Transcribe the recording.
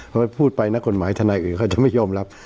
พอพูดไปนะนักกฎหมายทานัยอื่นเขาจะไม่ยอมรับ